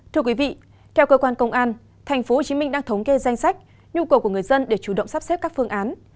thưa quý vị theo cơ quan công an tp hcm đang thống kê danh sách nhu cầu của người dân để chủ động sắp xếp các phương án